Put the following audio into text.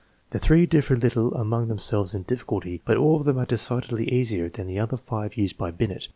The three differ little among themselves in difficulty, but all of them are decidedly easier than the other five used by Binet.